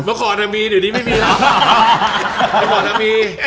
เมื่อก่อนมันมีแต่เดี๋ยวนี้ไม่มีแล้ว